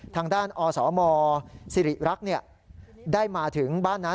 ทางด้านอสมสิริรักษ์ได้มาถึงบ้านนั้น